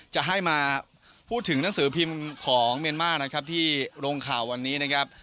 จะให้มาพูดถึงหนังสือพิมพ์ของเมียนมาร์นะครับที่ลงข่าววันนี้นะครับ